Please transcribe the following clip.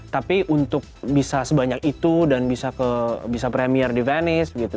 tapi untuk bisa sebanyak itu dan bisa ke bisa premier di venice gitu